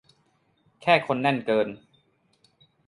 แค่คนแน่นเกิน